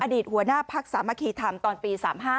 อดีตหัวหน้าภักษ์สามัคคีธรรมตอนปี๓๕